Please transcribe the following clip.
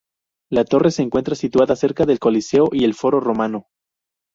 La torre se encuentra situada cerca del Coliseo y el Foro Romano.